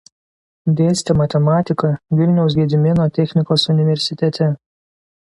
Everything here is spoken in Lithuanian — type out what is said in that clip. Dėstė matematiką Vilniaus Gedimino technikos universitete.